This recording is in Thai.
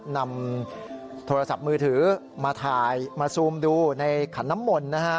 นำโทรศัพท์มือถือมาถ่ายมาซูมดูในขันน้ำมนต์นะฮะ